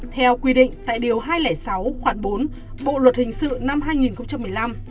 theo quy định tại điều hai trăm linh sáu khoảng bốn bộ luật hình sự năm hai nghìn một mươi năm